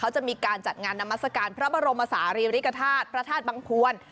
จะมีการจัดงานนามัสการพระบรมศาสตร์เรียริกภาษาพระธาตุบังคลวร